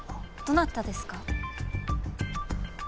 どなたですか？